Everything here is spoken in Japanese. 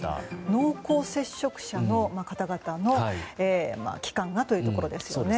濃厚接触者の方々の期間がというところですよね。